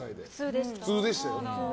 普通でしたよ。